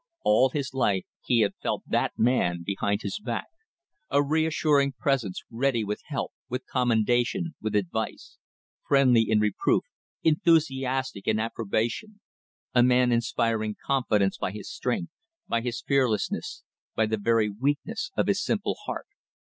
All his life he had felt that man behind his back, a reassuring presence ready with help, with commendation, with advice; friendly in reproof, enthusiastic in approbation; a man inspiring confidence by his strength, by his fearlessness, by the very weakness of his simple heart.